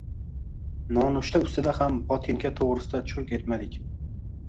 Nonushta ustida ham botinka toʻgʻrisida churq etmadik